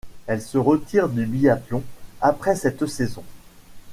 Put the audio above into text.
Elle se retire du biathlon après cette saison.